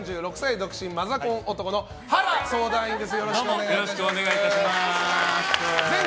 独身マザコン男のハラ相談員です。